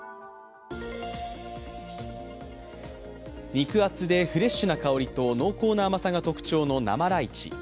肉厚でフレッシュな香りと濃厚な甘さが特徴の生ライチ。